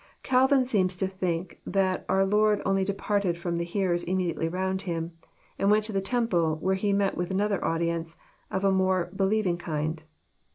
Calvin seems to think that our Lord only departed from the hearers Immediately round Him, and went to the temple, where He met with another audience, of a more believiug kind.